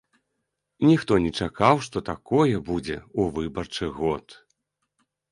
Ніхто не чакаў, што такое будзе ў выбарчы год.